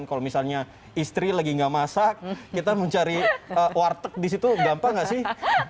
kalau misalnya istri lagi nggak masak kita mencari warteg di situ gampang nggak sih